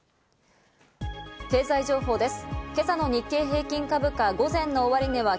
経済情報です。